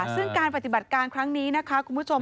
ซึ่งการปฏิบัติการครั้งนี้นะคะคุณผู้ชม